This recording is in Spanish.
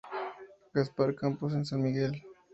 Gaspar Campos, en San Miguel.